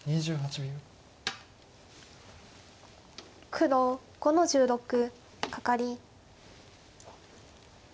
黒５の十六カカリ。